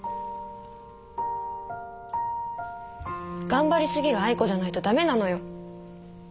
頑張り過ぎる愛子じゃないと駄目なのよ。